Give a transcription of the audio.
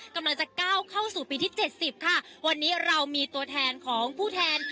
กำลังจะก้าวเข้าสู่ปีที่เจ็ดสิบค่ะวันนี้เรามีตัวแทนของผู้แทน